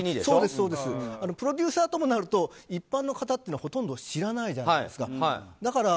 プロデューサーともなると一般の方というのはほとんど知らないじゃないですか。